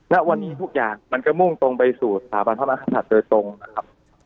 ณวันนี้ทุกอย่างมันก็มุ่งตรงไปสู่สถาบันพระมหากษัตริย์โดยตรงนะครับ